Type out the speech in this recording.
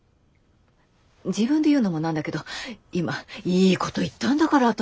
自分で言うのもなんだけど今いいこと言ったんだから私。